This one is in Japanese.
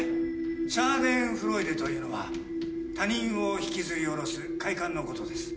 シャーデンフロイデというのは他人を引きずり下ろす快感のことです。